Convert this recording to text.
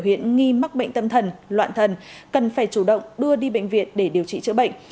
hiện nghi mắc bệnh tâm thần loạn thần cần phải chủ động đưa đi bệnh viện để điều trị chữa bệnh